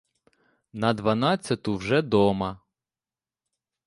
На дванадцяту вже дома.